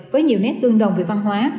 với nhiều nét tương đồng về văn hóa